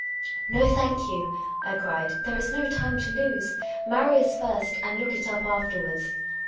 " No, thank you," I cried. " There is no time to lose. Marry us first, and look it up afterwards.